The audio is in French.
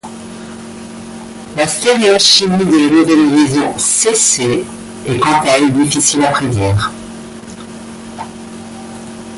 La stéréochimie de la nouvelle liaison C-C est quant à elle difficile à prédire.